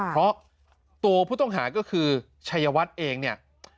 เพราะตัวผู้ต้องหาก็คือชัยวัฒน์เองเนี่ย